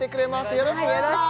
よろしくお願いします